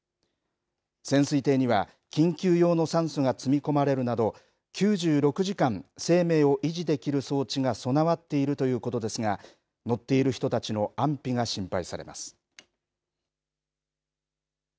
潜水艇には緊急用の酸素が積み込まれるなど、９６時間生命を維持できる装置が備わっているということですが、乗っている人たちの安否が心配されます。